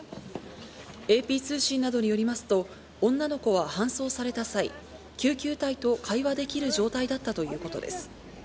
ＡＰ通信などによりますと、女の子は搬送された際、救急隊と会話できる状態だったということです。